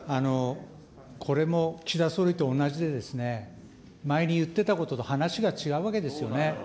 これも岸田総理と同じでですね、前に言ってたことと話が違うわけですよね。